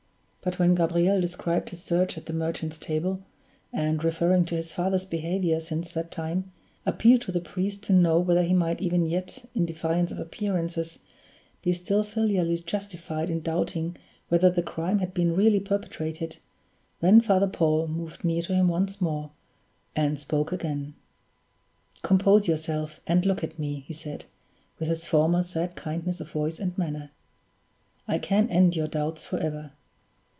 But when Gabriel described his search at the Merchant's Table; and, referring to his father's behavior since that time, appealed to the priest to know whether he might even yet, in defiance of appearances, be still filially justified in doubting whether the crime had been really perpetrated then Father Paul moved near to him once more, and spoke again. "Compose yourself, and look at me," he said, with his former sad kindness of voice and manner. "I can end your doubts forever.